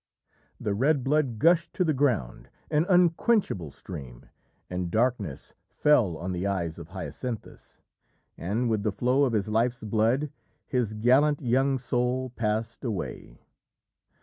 The red blood gushed to the ground, an unquenchable stream, and darkness fell on the eyes of Hyacinthus, and, with the flow of his life's blood, his gallant young soul passed away.